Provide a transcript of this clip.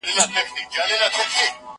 زه د کتابتوننۍ سره خبري کړي دي؟